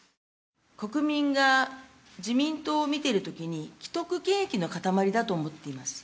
国民が自民党を見てるときに、既得権益の塊だと思っています。